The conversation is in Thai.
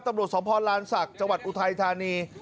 ตำรวจสมพรรณรันศักดิ์จังหวัดอุทัยธานี